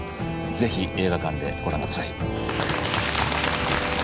ぜひ映画館でご覧ください。